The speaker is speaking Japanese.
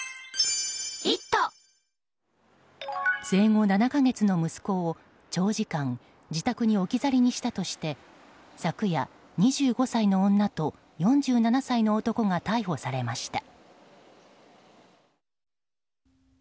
生後７か月の息子を長時間自宅に置き去りにしたとして昨夜２５歳の女と４７歳の男が逮捕されました。